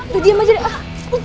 udah diam aja deh